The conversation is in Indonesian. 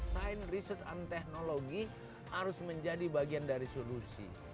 sign research and technology harus menjadi bagian dari solusi